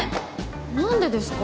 何でですか？